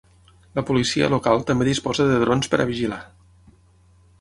La policia local també disposa de drons per a vigilar.